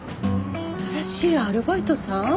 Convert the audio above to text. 新しいアルバイトさん？